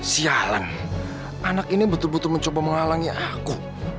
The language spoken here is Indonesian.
sialan anak ini betul betul mencoba menghalangi aku